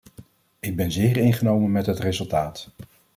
Ik ben zeer ingenomen met het resultaat.